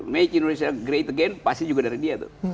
make indonesia great again pasti juga dari dia tuh